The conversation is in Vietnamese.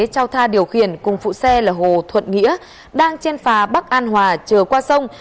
cháu tha điều khiển cùng phụ xe là hồ thuận nghĩa đang trên phà bắc an hòa chờ qua sông